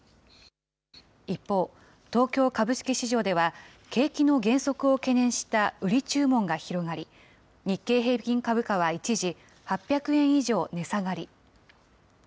一方、東京株式市場では、景気の減速を懸念した売り注文が広がり、日経平均株価は一時、８００円以上値下がり。